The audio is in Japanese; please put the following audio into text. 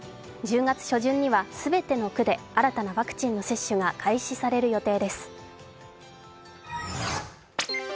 １０月初旬には全ての区で新たなワクチンの接種が開始される予定です。